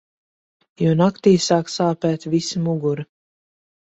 Jo naktī sāk sāpēt visa mugura.